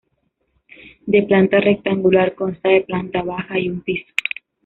De planta rectangular, consta de planta baja y un piso.